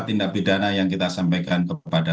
tindak pidana yang kita sampaikan kepada